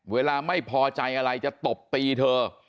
เวลาไม่พอใจอะไรจะตบตีเธอ